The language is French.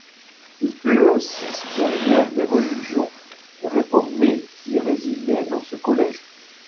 Il fut aussi supérieur des religieux réformés qui résidaient dans ce collège.